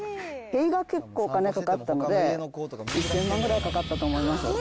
塀が結構お金かかったので、１０００万ぐらいかかったと思います。